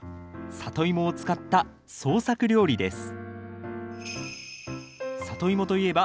サトイモを使った創作料理です。